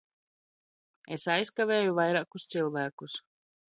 Es aizkavēju vairākus cilvēkus.